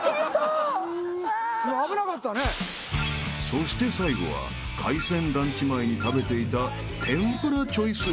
［そして最後は海鮮ランチ前に食べていた天ぷらチョイスエピソード］